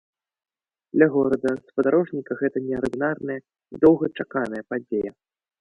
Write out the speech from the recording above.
Для горада-спадарожніка гэта неардынарная і доўгачаканая падзея.